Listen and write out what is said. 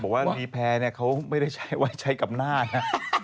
ว่ารีแพร์เนี่ยเขาไม่ได้ไว้ใช้กับหน้านะ